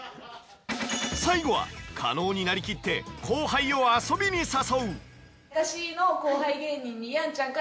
最後は加納になりきって後輩を遊びに誘う。